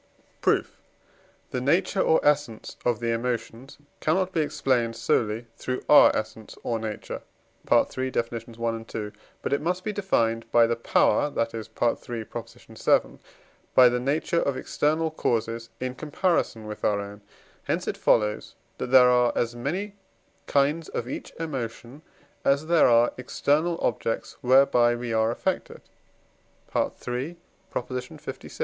Proof. The nature or essence of the emotions cannot be explained solely through our essence or nature (III. Deff. i., ii.), but it must be defined by the power, that is (III. vii.), by the nature of external causes in comparison with our own; hence it follows, that there are as many kinds of each emotion as there are external objects whereby we are affected (III. lvi.)